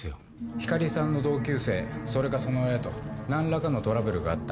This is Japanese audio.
光莉さんの同級生それかその親と何らかのトラブルがあった？